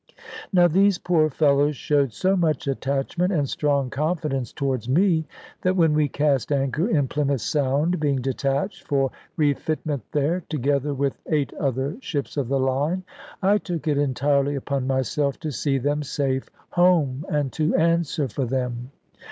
Now these poor fellows showed so much attachment and strong confidence towards me, that when we cast anchor in Plymouth Sound (being detached for refitment there, together with eight other ships of the line), I took it entirely upon myself to see them safe home, and to answer for them.